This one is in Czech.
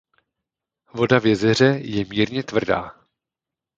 Voda v jezeře je mírně tvrdá.